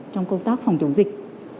trong công tác phòng chống dịch